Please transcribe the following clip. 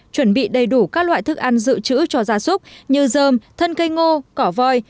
chuẩn bị đầy đủ các loại thức ăn dự trữ cho gia súc như dơm thân cây ngô cỏ voi